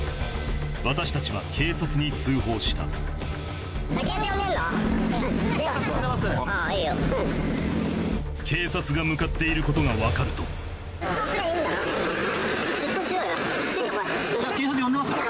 私たちは警察に通報した警察が向かっていることが分かると出頭しようよ。